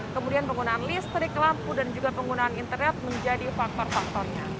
kemudian penggunaan listrik lampu dan juga penggunaan internet menjadi faktor faktornya